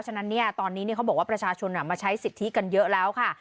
ฉะนั้นตอนนี้เขาบอกว่าประชาชนมาใช้สิทธิกันเยอะแล้วค่ะ